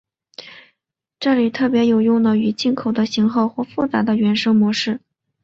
这是特别有用的与进口的型号或复杂的原生模式。